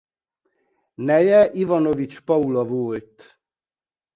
Neje Ivanovics Paula volt.